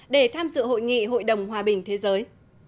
để tham dự hội nghị hội đồng hòa bình thế giới